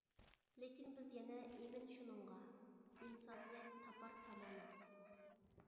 لېكىن بىز يەنە ئىمىن شۇنىڭغا، ئىنسانىيەت تاپار كامالەت.